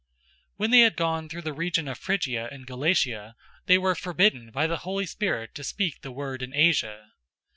016:006 When they had gone through the region of Phrygia and Galatia, they were forbidden by the Holy Spirit to speak the word in Asia.